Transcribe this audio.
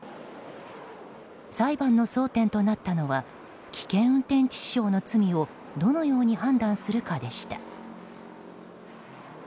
裁判の争点となったのは危険運転致死傷の罪をどのように判断するかでした。